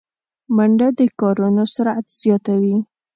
منډه د کارونو سرعت زیاتوي